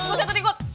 gak usah ketikut